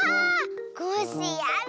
コッシーやる！